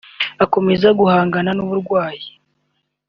akomeza guhangana n’uburwayi